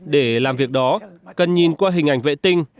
để làm việc đó cần nhìn qua hình ảnh vệ tinh